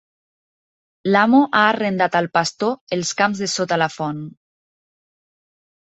L'amo ha arrendat al pastor els camps de sota la font.